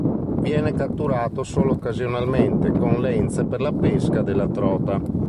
Viene catturato solo occasionalmente con lenze per la pesca della trota.